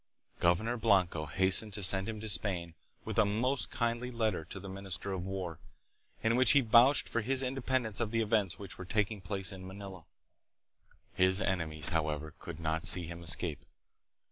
Governor Blanco hastened to send him to Spain with a most kindly letter to the minister of war, in which he vouched for his independence of the events which were taking place in Manila. His enemies, however, could not see him escape.